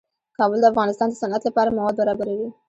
کابل د افغانستان د صنعت لپاره مواد برابروي.